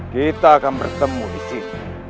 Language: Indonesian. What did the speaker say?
kita akan bertemu disini